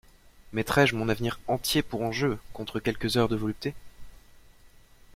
Mettrai-je mon avenir entier pour enjeu, contre quelques heures de volupté?